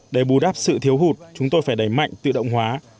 để bù đắp sự thiếu hụt chúng tôi phải đẩy mạnh tự động hóa